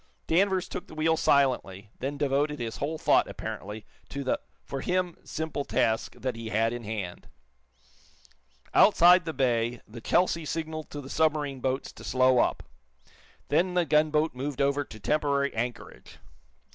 Danvers took the wheel silently, then devoted his whole thought, apparently, to the for him simple task that he had in hand. Outside the bay the "Chelsea" signaled to the submarine boats to slow up. Then the gunboat moved over to temporary anchorage.